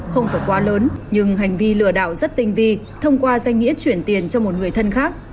không phải quá lớn nhưng hành vi lừa đảo rất tinh vi thông qua danh nghĩa chuyển tiền cho một người thân khác